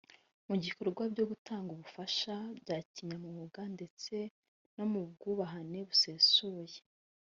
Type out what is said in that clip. Mu bikorwa byo gutanga ubufasha bya kinyamwuga ndetse no mu bwubahane busesuye